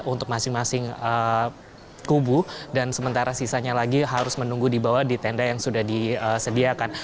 untuk masing masing kubu dan sementara sisanya lagi harus menunggu di bawah di tenda yang sudah disediakan